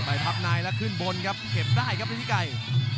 พับในแล้วขึ้นบนครับเก็บได้ครับฤทธิไกร